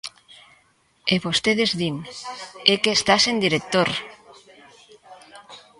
E vostedes din: é que está sen director.